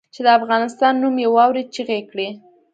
چې د افغانستان نوم یې واورېد چیغې یې کړې.